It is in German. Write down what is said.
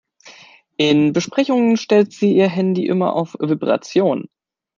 In Besprechungen stellt sie ihr Handy immer auf Vibration.